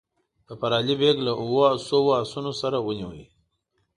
ظفر علي بیګ له اوو سوو آسونو سره ونیوی.